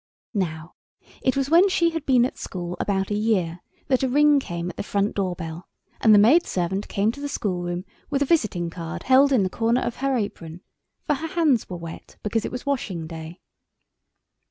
Now it was when she had been at school about a year, that a ring came at the front door bell, and the maid servant came to the schoolroom with a visiting card held in the corner of her apron—for her hands were wet because it was washing day.